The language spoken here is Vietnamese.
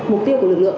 mục tiêu của lực lượng